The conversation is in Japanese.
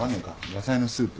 野菜のスープ。